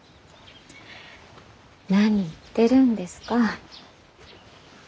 何言ってるんですか？